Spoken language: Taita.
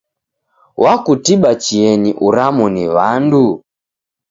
Wakutiba chienyi uramo ni w'andu?